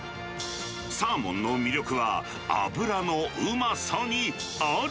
サーモンの魅力は、脂のうまさにあり。